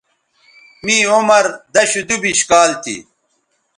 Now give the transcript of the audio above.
می عمر دشودُوبش کال تھی